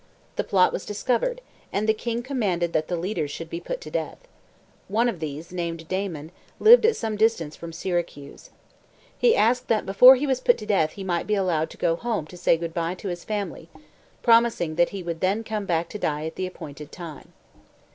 The plot was discovered, and the king commanded that the leaders should be put to death. One of these, named Damon, lived at some distance from Syracuse. He asked that before he was put to death he might be allowed to go home to say good bye to his family, promising that he would then come back to die at the appointed time.